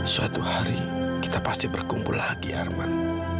suatu hari kita pasti berkumpul lagi arman